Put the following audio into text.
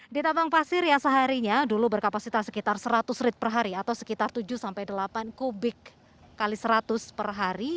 di tabang pasir yang seharinya dulu berkapasitas sekitar seratus rit per hari atau sekitar tujuh sampai delapan kubik x seratus per hari